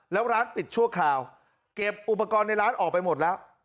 แล้วร้านปิดชั่วคราวเก็บอุปกรณ์ในร้านออกไปหมดแล้ว